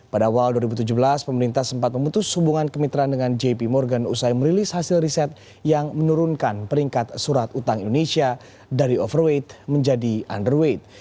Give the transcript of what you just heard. pada awal dua ribu tujuh belas pemerintah sempat memutus hubungan kemitraan dengan jp morgan usai merilis hasil riset yang menurunkan peringkat surat utang indonesia dari overweight menjadi underweight